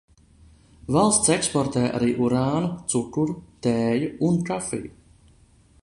Valsts eksportē arī urānu, cukuru, tēju un kafiju.